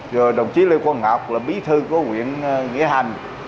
rồi đồng chí lê quang ngọc là bí thư của nguyễn nghĩa hành